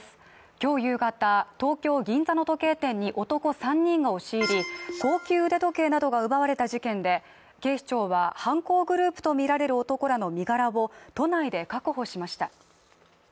今日夕方、東京・銀座の時計店に男３人が押し入り、高級腕時計などが奪われた事件で、警視庁は、犯行グループとみられる男らの身柄を都内で確保しました。